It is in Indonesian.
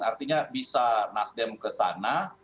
artinya bisa nasdem keseluruhan